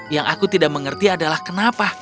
dan aku tidak mengerti kenapa